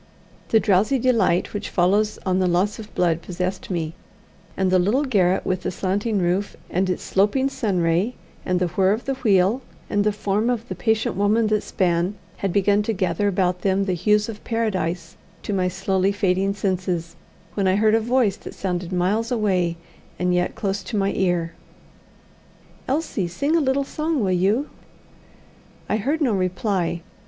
The drowsy delight which follows on the loss of blood possessed me, and the little garret with the slanting roof, and its sloping sun ray, and the whirr of the wheel, and the form of the patient woman that span, had begun to gather about them the hues of Paradise to my slowly fading senses, when I heard a voice that sounded miles away, and yet close to my ear: "Elsie, sing a little song, will you?" I heard no reply.